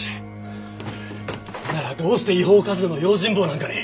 ならどうして違法カジノの用心棒なんかに！